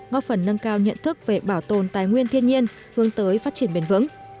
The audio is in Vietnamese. ngóp phần nâng cao nhận thức về bảo tồn tài nguyên thiên nhiên hướng tới phát triển bền vững